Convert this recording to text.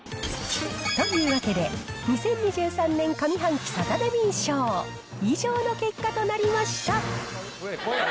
というわけで、２０２３年上半期サタデミー賞、以上の結果となりました。